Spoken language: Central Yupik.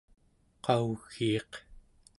qau͡giiq